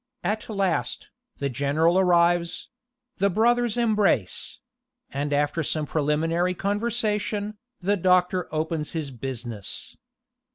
At last, the general arrives; the brothers embrace; and after some preliminary conversation, the doctor opens his business.